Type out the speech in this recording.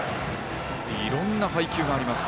いろんな配球があります。